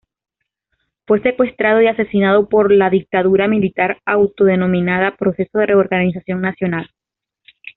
Fue secuestrado y asesinado por la dictadura militar autodenominada Proceso de Reorganización Nacional.